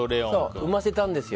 生ませたんですよ。